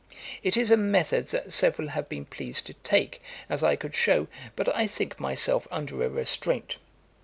It is a method that several have been pleased to take, as I could show, but I think myself under a restraint.